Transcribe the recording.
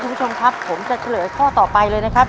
ผมจะเฉลยข้อต่อไปเลยนะครับ